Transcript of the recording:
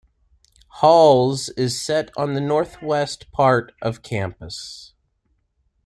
Halls is set on the northwest part of campus.